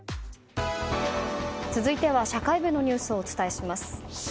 続いては社会部のニュースをお伝えします。